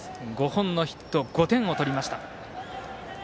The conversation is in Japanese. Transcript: ５本のヒット、５点を取りました。